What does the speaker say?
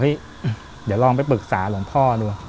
เดี๋ยวลองไปปรึกษาหลวงพ่อดู